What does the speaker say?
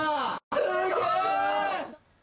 すごーい！